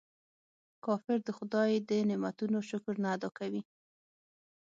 کافر د خداي د نعمتونو شکر نه ادا کوي.